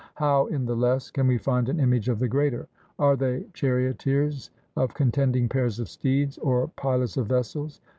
How in the less can we find an image of the greater? Are they charioteers of contending pairs of steeds, or pilots of vessels?